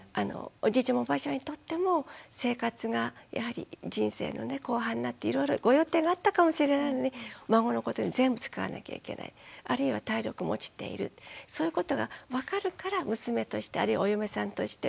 おじいちゃまおばあちゃまにとっても生活がやはり人生のね後半になっていろいろご予定があったかもしれないのに孫のことに全部使わなきゃいけないあるいは体力も落ちているそういうことが分かるから娘としてあるいはお嫁さんとして申し訳ないと。